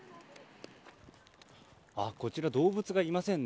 こちら、動物がいませんね。